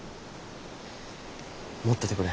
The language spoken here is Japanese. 持っててくれ。